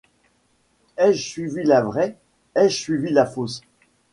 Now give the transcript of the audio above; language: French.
Ai-je suivi la vraie ? ai-je suivi la fausse ?